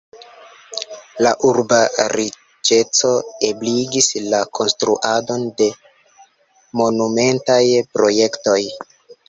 La urba riĉeco ebligis la konstruadon de monumentaj projektoj.